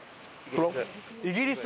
イギリス？